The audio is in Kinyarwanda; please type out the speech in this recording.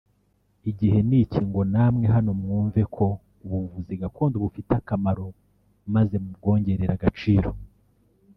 Igihe n’iki ngo namwe hano mwumve ko ubuvuzi gakondo bufite akamaro maze mubwongerere agaciro